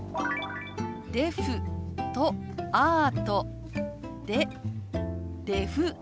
「デフ」と「アート」でデフアート。